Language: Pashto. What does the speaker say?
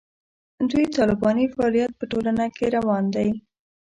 دوی طالباني فعالیت په ټولنه کې روان دی.